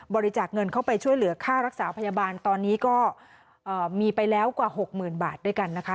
บริจาคเงินเข้าไปช่วยเหลือค่ารักษาพยาบาลตอนนี้ก็มีไปแล้วกว่าหกหมื่นบาทด้วยกันนะคะ